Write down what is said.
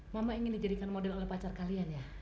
mama ingin dijadikan model oleh pacar kalian ya